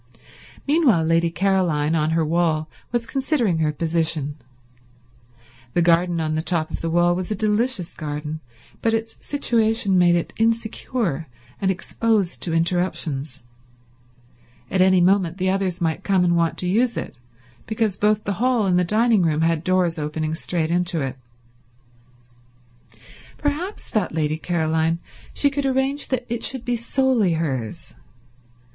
Meanwhile Lady Caroline, on her wall, was considering her position. The garden on the top of the wall was a delicious garden, but its situation made it insecure and exposed to interruptions. At any moment the others might come and want to use it, because both the hall and the dining room had doors opening straight into it. Perhaps, thought Lady Caroline, she could arrange that it should be solely hers.